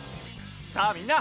さあみんな！